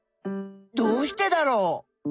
どうしてだろう？